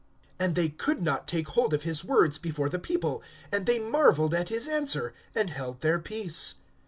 (26)And they could not take hold of his words before the people; and they marveled at his answer, and held their peace.